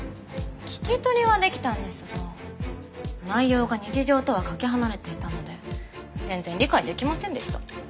聞き取りはできたんですが内容が日常とはかけ離れていたので全然理解できませんでした。